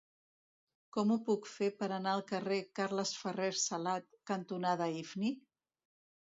Com ho puc fer per anar al carrer Carles Ferrer Salat cantonada Ifni?